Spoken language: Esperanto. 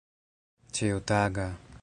ĉiutaga